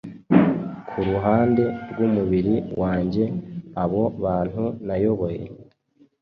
Kuruhande rwumubiri wanjye Abo bantu nayoboye